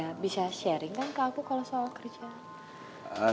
ya bisa sharing kan ke aku kalau soal kerjaan